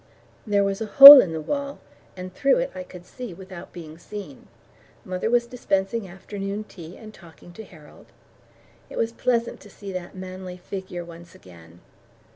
There was a hole in the wall, and through it I could see without being seen. Mother was dispensing afternoon tea and talking to Harold. It was pleasant to see that manly figure once again.